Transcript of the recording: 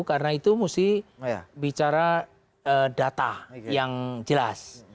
karena itu mesti bicara data yang jelas